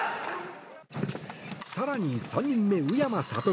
更に３人目、宇山賢。